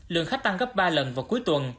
lượng khách tăng gấp ba lần vào cuối tuần